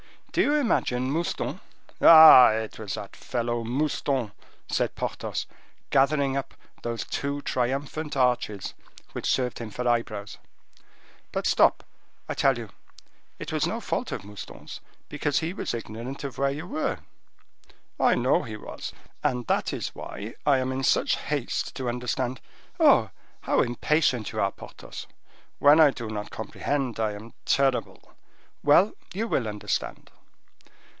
Do you imagine Mouston—" "Ah! it was that fellow, Mouston," said Porthos, gathering up those two triumphant arches which served him for eyebrows. "But stop, I tell you—it was no fault of Mouston's because he was ignorant of where you were." "I know he was; and that is why I am in such haste to understand—" "Oh! how impatient you are, Porthos." "When I do not comprehend, I am terrible." "Well, you will understand.